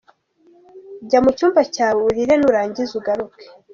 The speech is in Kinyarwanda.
Jya mu cyumba cyawe urire, nurangiza ugaruke ”.